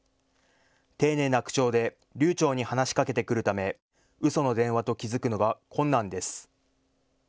丁寧な口調で流ちょうに話しかけてくるためうその電話と気付くのは困難です。